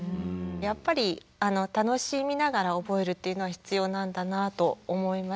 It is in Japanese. やっぱり楽しみながら覚えるというのは必要なんだなと思いました。